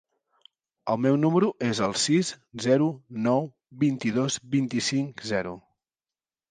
El meu número es el sis, zero, nou, vint-i-dos, vint-i-cinc, zero.